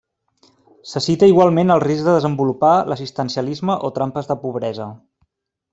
Se cita igualment el risc de desenvolupar l'assistencialisme o trampes de pobresa.